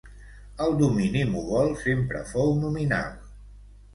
El domini mogol sempre fou nominal.